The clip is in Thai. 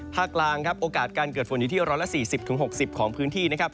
กลางครับโอกาสการเกิดฝนอยู่ที่๑๔๐๖๐ของพื้นที่นะครับ